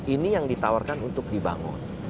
ini yang ditawarkan untuk dibangun